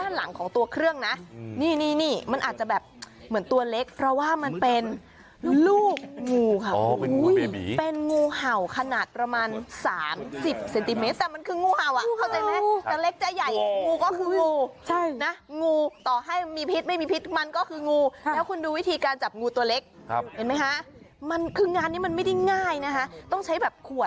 หลังของตัวเครื่องนะนี่นี่มันอาจจะแบบเหมือนตัวเล็กเพราะว่ามันเป็นลูกงูค่ะเป็นงูเห่าขนาดประมาณ๓๐เซนติเมตรแต่มันคืองูเห่าอ่ะเข้าใจไหมจะเล็กจะใหญ่งูก็คืองูใช่นะงูต่อให้มีพิษไม่มีพิษมันก็คืองูแล้วคุณดูวิธีการจับงูตัวเล็กเห็นไหมคะมันคืองานนี้มันไม่ได้ง่ายนะคะต้องใช้แบบข